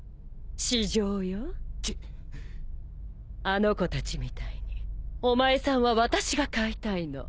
あの子たちみたいにお前さんは私が飼いたいの。